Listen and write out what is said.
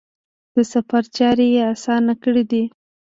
د سفر چارې یې اسانه کړي دي.